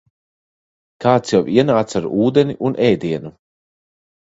Kāds jau ienāca ar ūdeni un ēdienu.